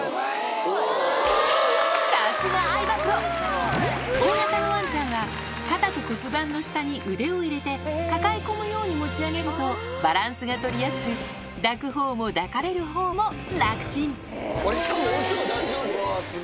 さすが相葉プロ、大型のワンちゃんは、肩と骨盤の下に腕を入れて抱え込むように持ち上げるとバランスが取りやすく、しかも置いても大丈夫。